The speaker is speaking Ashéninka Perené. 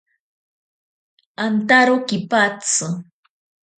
Antaro kipatsi.